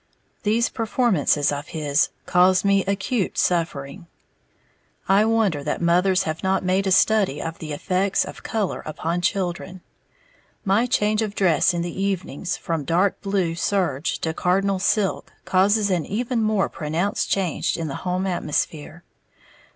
These performances of his cause me acute suffering. I wonder that mothers have not made a study of the effects of color upon children. My change of dress in the evenings from dark blue serge to cardinal silk causes an even more pronounced change in the home atmosphere.